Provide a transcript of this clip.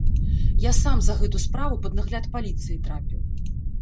Я сам за гэту справу пад нагляд паліцыі трапіў.